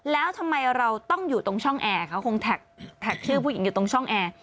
แล้วทำไมเราต้องอยู่ตรงช่องแอร์เขาคงแท็กชื่อผู้หญิงอยู่ตรงช่องแอร์